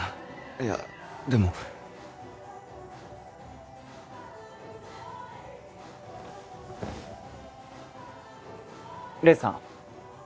いやでも黎さん